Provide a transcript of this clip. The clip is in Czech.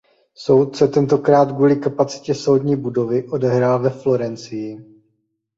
Soud se tentokrát kvůli kapacitě soudní budovy odehrál ve Florencii.